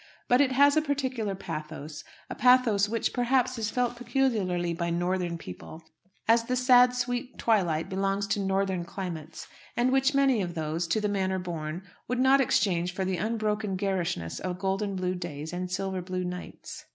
But it has a peculiar pathos: a pathos which, perhaps, is felt peculiarly by northern people, as the sad sweet twilight belongs to northern climates, and which many of those, to the manner born, would not exchange for the unbroken garishness of golden blue days and silver blue nights.